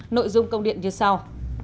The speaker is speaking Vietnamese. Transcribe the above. nội dung công điện như sau